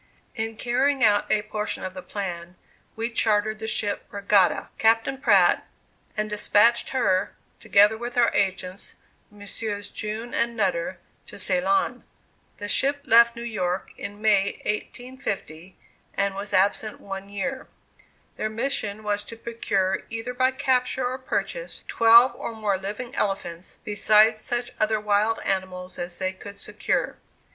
In carrying out a portion of the plan, we chartered the ship "Regatta," Captain Pratt, and despatched her, together with our agents, Messrs. June and Nutter, to Ceylon. The ship left New York in May, 1850, and was absent one year. Their mission was to procure, either by capture or purchase, twelve or more living elephants, besides such other wild animals as they could secure.